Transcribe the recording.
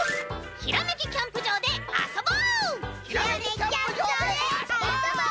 「ひらめきキャンプ場であそぼう！」